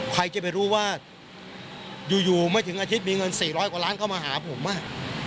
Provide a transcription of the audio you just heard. ใครจะไปรู้ว่าอยู่ไม่ถึงอาทิตย์มีเงิน๔๐๐กว่าล้านเข้ามาหาผมอ่ะ